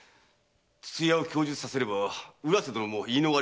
筒井屋を供述させれば浦瀬殿も言い逃れはできますまい。